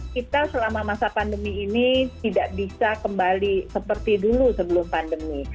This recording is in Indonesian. kita selama masa pandemi ini tidak bisa kembali seperti dulu sebelum pandemi